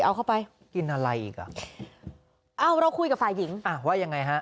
เอาเข้าไปกินอะไรอีกอ่ะเอ้าเราคุยกับฝ่ายหญิงอ่าว่ายังไงฮะ